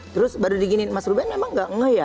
terus baru diginiin mas ruben emang gak nge ya